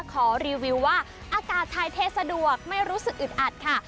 ขอรีวิวว่าอากาศถ่ายเทสะดวกไม่รู้สึกอึดอัดค่ะ